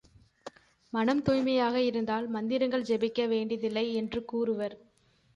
மனம் தூய்மையாக இருந்தால் மந்திரங்கள் செபிக்க வேண்டியதில்லை என்று கூறுவர்.